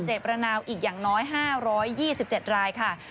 ประนาวอีกอย่างน้อย๕๒๗รายค่ะ